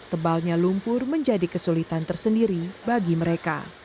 tebalnya lumpur menjadi kesulitan tersendiri bagi mereka